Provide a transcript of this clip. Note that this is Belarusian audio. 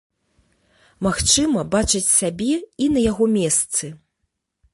Магчыма, бачаць сябе і на яго месцы.